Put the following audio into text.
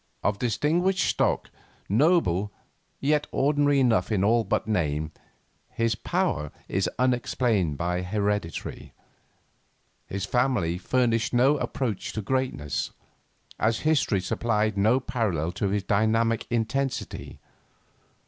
Of distinguished stock, noble, yet ordinary enough in all but name, his power is unexplained by heredity; his family furnished no approach to greatness, as history supplied no parallel to his dynamic intensity.